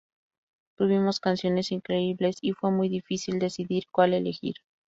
Tuvimos canciones increíbles y fue muy difícil decidir cuál elegir.